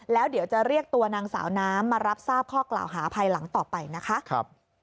แล้วเดี๋ยวจะเรียกตัวนางสาวน้ำมารับทราบข้อกล่าวหาภายหลังต่อไปนะคะ